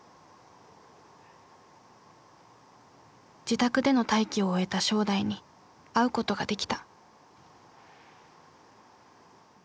自宅での待機を終えた正代に会うことができた。